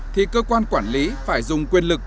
thì cơ quan quản lý phải dùng quyền lực